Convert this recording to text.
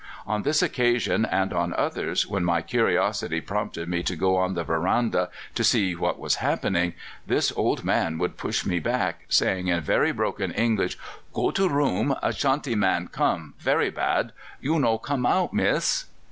On this occasion, and on others, when my curiosity prompted me to go on the veranda to see what was happening, this old man would push me back, saying in very broken English, 'Go to room Ashanti man come very bad. You no come out, miss.